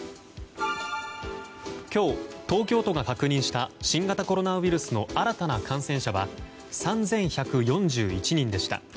今日、東京都が確認した新型コロナウイルスの新たな感染者は３１４１人でした。